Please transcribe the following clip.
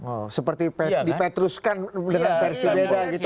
oh seperti dipetruskan dengan versi beda gitu